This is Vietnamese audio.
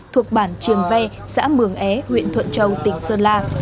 thuộc bản trường ve xã mường é huyện thuận châu tỉnh sơn la